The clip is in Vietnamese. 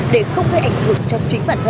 để không gây ảnh hưởng cho chính bản thân